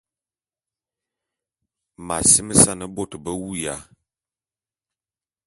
M’asimesan bot be wuya.